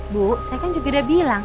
bu saya kan juga udah bilang